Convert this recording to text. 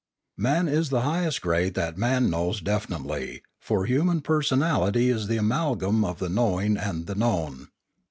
Man is the highest grade that man knows definitely; for human personality is the amalgam of the knowing and the known.